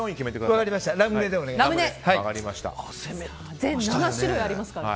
全７種類ありますからね。